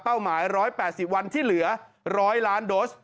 หมาย๑๘๐วันที่เหลือ๑๐๐ล้านโดส